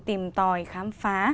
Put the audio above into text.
tìm tòi khám phá